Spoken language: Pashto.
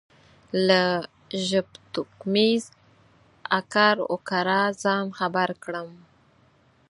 له ژبتوکمیز اکر و کره ځان خبر کړم.